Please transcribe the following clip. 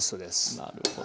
なるほど。